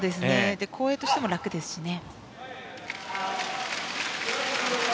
後衛としても楽ですしね。